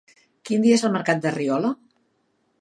Quin dia és el mercat de Riola?